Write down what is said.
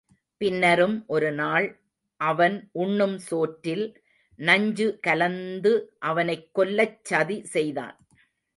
பின்னரும் ஒரு நாள் அவன் உண்ணும் சோற்றில் நஞ்சு கலந்து அவனைக் கொல்லச் சதி செய்தான்.